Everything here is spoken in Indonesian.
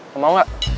lu mau gak